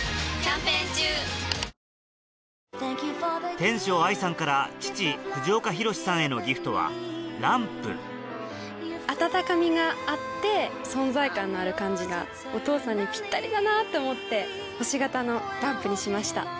天翔愛さんから父藤岡弘、さんへのギフトはランプ温かみがあって存在感のある感じがお父さんにピッタリだなぁと思って星形のランプにしました。